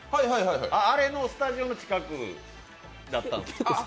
あれのスタジオの近くだったんです。